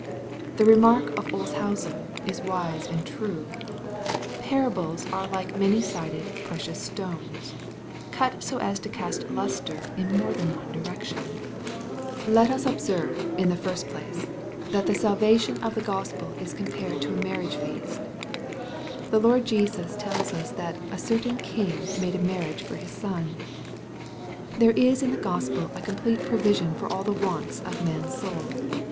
The remark of Olshausen is wise and true^ ^^ parables are like 280 EXPOSITORY THOUOHTS. many sided precious stones, cut so as to cast lustre io more than one direction/' Let us observe, in the first place, th&t[the salvation of ihe Chspel is compared to a marriage fea8t,\ The Lord Jesus tells us that ^' a certain king made a marriage for his son/' ( There is in the Gospel a complete provision for all the wants of man's soul.